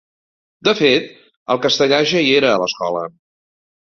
De fet, el castellà ja hi era, a l’escola.